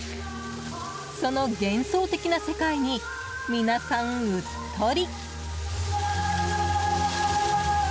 その幻想的な世界に皆さん、うっとり。